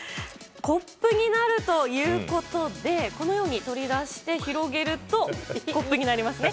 コップになるということでこのように取り出して広げるとコップになりますね。